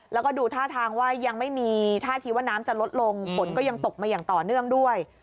แล้วก็ดูท่าทางว่ายังไม่มีท่าทีว่าน้ำจะลดลงฝนก็ยังตกมาอย่างต่อเนื่องด้วย